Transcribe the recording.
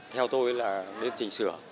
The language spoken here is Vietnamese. theo tôi là nên chỉnh sửa